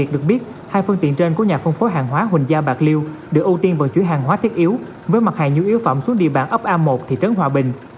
được ưu tiên vận chuyển hàng hóa thiết yếu với mặt hàng nhu yếu phẩm xuống địa bàn ấp a một thị trấn hòa bình